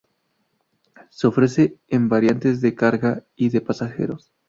Se ofrece en variantes de carga y de pasajeros.